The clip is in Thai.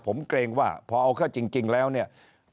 ผมเกรงว่าพอเอาเข้าจริงแล้วเนี่ย